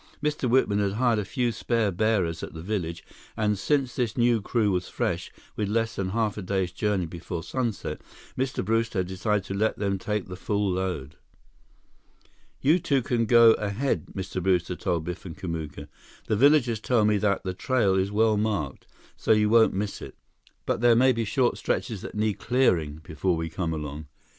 Mr. Whitman had hired a few spare bearers at the village, and since this new crew was fresh, with less than a half day's journey before sunset, Mr. Brewster had decided to let them take the full load. "You two can go ahead," Mr. Brewster told Biff and Kamuka. "The villagers tell me that the trail is well marked, so you won't miss it. But there may be short stretches that need clearing before we come along."